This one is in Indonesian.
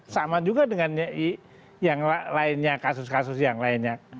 sama juga dengan kasus kasus yang lainnya